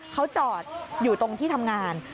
เขาจอดอยู่ตรงที่ทำงาน